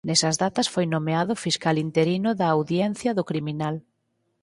Nesas datas foi nomeado Fiscal interino da Audiencia do Criminal.